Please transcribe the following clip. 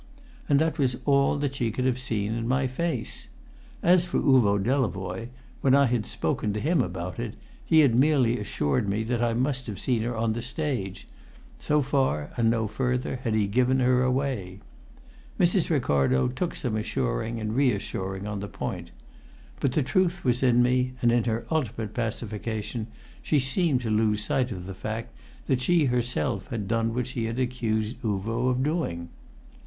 And that was all that she could have seen in my face. As for Uvo Delavoye, when I had spoken to him about it, he had merely assured me that I must have seen her on the stage: so far and no further had he given her away. Mrs. Ricardo took some assuring and reassuring on the point. But the truth was in me, and in her ultimate pacification she seemed to lose sight of the fact that she herself had done what she accused Uvo of doing.